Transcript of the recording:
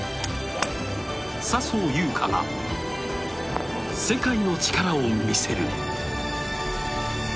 笹生優花が世界の力を見せる。